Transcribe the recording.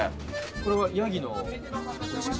これはヤギのお乳？